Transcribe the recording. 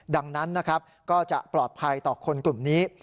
ดังนั้นนะครับก็จะปลอดภัยต่อคนกลุ่มนี้